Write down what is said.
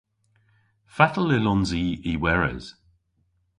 Fatel yllons i y weres?